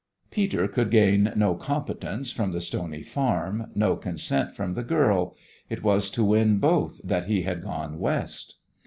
Peter could gain no competence from the stony farm, no consent from the girl. It was to win both that he had come West.